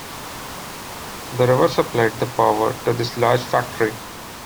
The river supplied the power to this large factory.